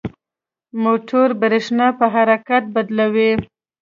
موټور برېښنا په حرکت بدلوي.